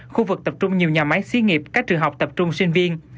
khu vực tập trung nhiều nhà máy xí nghiệp các trường học tập trung sinh viên